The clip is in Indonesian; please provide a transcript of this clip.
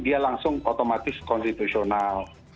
dia langsung otomatis konstitusional